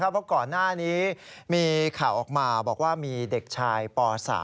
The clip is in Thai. เพราะก่อนหน้านี้มีข่าวออกมาบอกว่ามีเด็กชายป๓